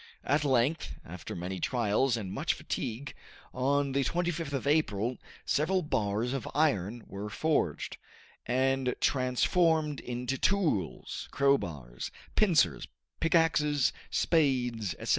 At length, after many trials and much fatigue, on the 25th of April several bars of iron were forged, and transformed into tools, crowbars, pincers, pickaxes, spades, etc.